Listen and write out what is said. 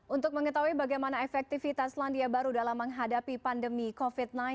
untuk mengetahui bagaimana efektivitas selandia baru dalam menghadapi pandemi covid sembilan belas